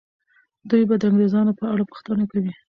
دوی به د انګریزانو په اړه پوښتنه کوي.